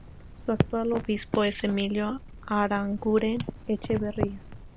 Su actual obispo es Emilio Aranguren Echeverria.